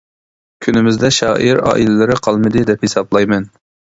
كۈنىمىزدە شائىر ئائىلىلىرى قالمىدى دەپ ھېسابلايمەن.